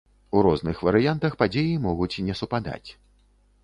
У розных варыянтах падзеі могуць не супадаць.